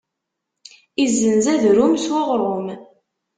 Izzenz adrum s uɣrum.